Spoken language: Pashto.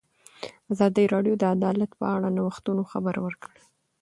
ازادي راډیو د عدالت په اړه د نوښتونو خبر ورکړی.